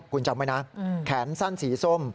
คุณจำไว้นะแขนสั้นสีส้ม